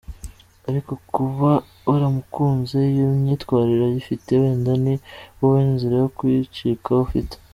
Ariko kuba waramukunze iyo myitwarire ayifite, wenda ni wowe nzira yo kuyicikaho afite.